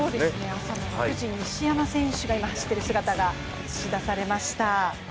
朝の６時、西山選手が走っている姿が今、映し出されました。